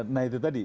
nah itu tadi